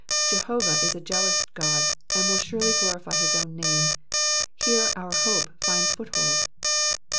Jehovah is a jealous God, and will surely glorify his own name ; here our hope finds foothold.